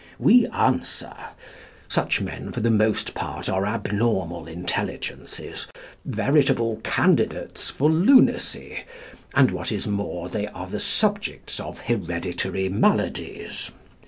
We answer: Such men for the most part are abnormal intelligences, veritable candidates for lunacy, and, what is more, they are the subjects of hereditary maladies.